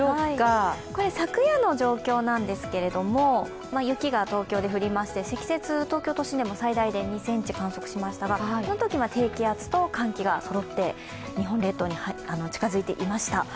昨夜の状況なんですけれども、雪が東京で降りまして、積雪、東京都心でも最大で２ｃｍ観測しましたがこのときは低気圧と寒気がそろって日本列島に近づいていました。